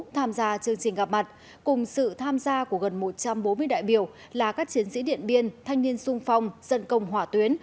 tham gia chương trình gặp mặt cùng sự tham gia của gần một trăm bốn mươi đại biểu là các chiến sĩ điện biên thanh niên sung phong dân công hỏa tuyến